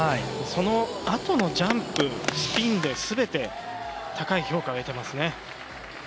そのあとのジャンプ、スピンですべて高い評価を得ていますね。